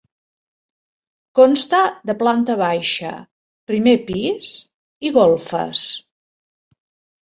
Consta de planta baixa, primer pis i golfes.